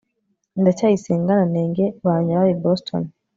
ndacyayisenga na nenge bamye baba i boston